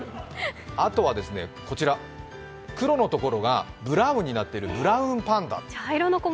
あとは、黒のところがブラウンになっているブラウンパンダ。